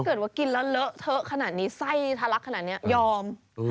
เกิดว่ากินแล้วเลอะเทอะขนาดนี้ไส้ทะลักขนาดนี้ยอม